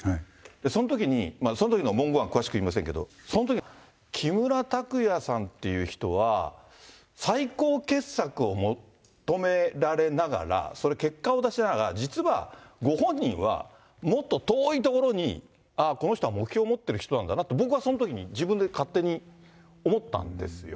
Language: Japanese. そん時に、そのときの文言は詳しく言いませんけど、そのときに、木村拓哉さんっていう人は、最高傑作を求められながら、それ、結果を出しながら、実はご本人は、もっと遠いところに、ああ、この人は目標を持ってる人なんだなって、僕はそのときに、自分で勝手に思ったんですよ。